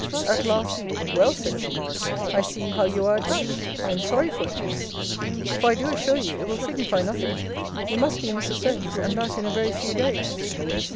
At last, Well, said she, I see how you are attached. I am sorry for it, Miss. For I do assure you, it will signify nothing. You must be Mrs. Solmes; and that in a very few days.